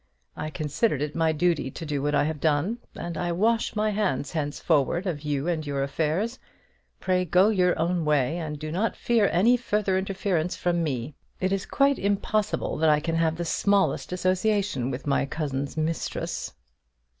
I considered it my duty to do what I have done, and I wash my hands henceforward of you and your affairs. Pray go your own way, and do not fear any further interference from me. It is quite impossible that I can have the smallest association with my cousin's mistress."